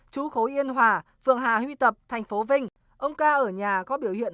chú khối yên hòa phường hà huy tập thành phố vinh ông ca ở nhà có biểu hiện